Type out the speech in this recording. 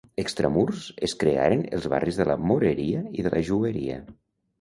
Extramurs, es crearen els barris de la moreria i de la jueria.